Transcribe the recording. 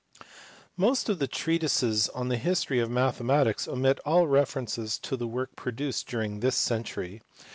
Most of the treatises on the history of mathe matics omit all reference to the work produced during this century.